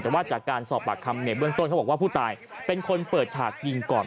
แต่ว่าจากการสอบปากคำเนี่ยเบื้องต้นเขาบอกว่าผู้ตายเป็นคนเปิดฉากยิงก่อน